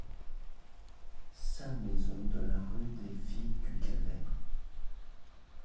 Sa maison de la rue des Filles-du-Calvaire